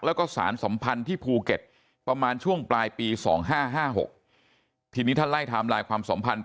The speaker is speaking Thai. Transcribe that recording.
แล้วก็สารสัมพันธ์ที่ภูเก็ตประมาณช่วงปลายปี๒๕๕๖ทีนี้ท่านไล่ไทม์ไลน์ความสัมพันธ์